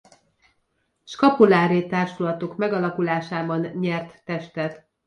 Skapuláré Társulatok megalakulásában nyert testet.